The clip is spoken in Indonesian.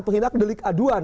penghinaan delik aduan